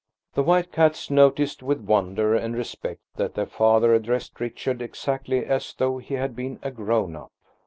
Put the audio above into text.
The white cats noticed with wonder and respect that their father addressed Richard exactly as though he had been a grown up.